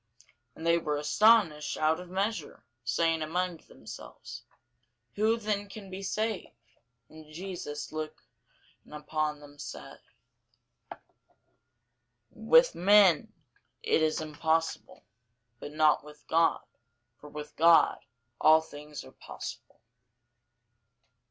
And they were astonished out of measure, saying among themselves, Who then can be saved? And Jesus looking upon them saith, With men it is impossible, but not with God: for with God all things are possible.